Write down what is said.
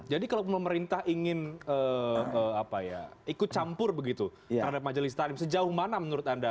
jadi kalau pemerintah ingin ikut campur begitu terhadap majelis ta'lim sejauh mana menurut anda